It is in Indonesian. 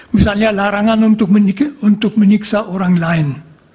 misalnya larangan untuk menyiksa orang lain